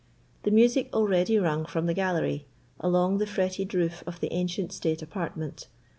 The music already rung from the gallery, along the fretted roof of the ancient state apartment.